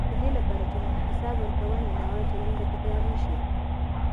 د دې لپاره چې حساب ورکونه وي، ناوړه چلند به تکرار نه شي.